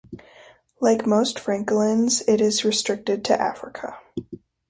Like most francolins, it is restricted to Africa.